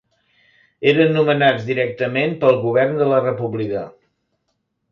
Eren nomenats directament pel govern de la República.